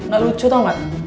gak lucu tau mat